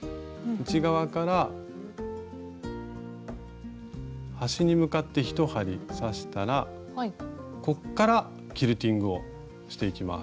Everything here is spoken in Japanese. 内側から端に向かって１針刺したらこっからキルティングをしていきます。